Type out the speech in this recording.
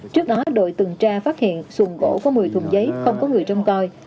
trước đó đội tường tra phát hiện xuồng gỗ có một mươi thùng giấy không có người trong coi